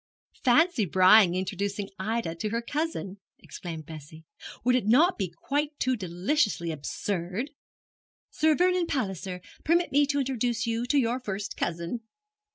'Fancy Brian introducing Ida to her cousin!' exclaimed Bessie. 'Would it not be quite too deliciously absurd? "Sir Vernon Palliser, permit me to introduce you to your first cousin!"